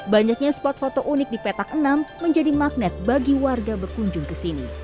banyaknya spot foto unik di petak enam menjadi magnet bagi warga berkunjung ke sini